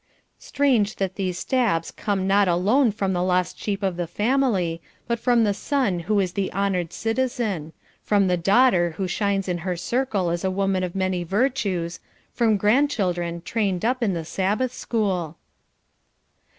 Strange that these stabs come not alone from the lost sheep of the family, but from the son who is the honoured citizen; from the daughter who shines in her circle as a woman of many virtues; from grandchildren trained up in the Sabbath school.